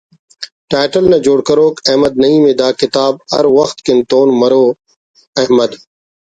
ٹائٹل نا جوڑ کروک احمد نعیم ءِ دا کتاب ہر وخت کن تون مرو احمد